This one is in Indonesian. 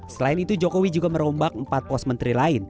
selain itu jokowi juga merombak empat pos menteri lain